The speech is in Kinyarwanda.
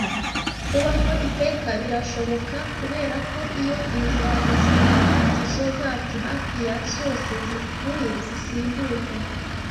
Kubaho iteka birashoboka kubera ko iyo ingirabuzimafatizo zacu hafi ya zose zipfuye zisimburwa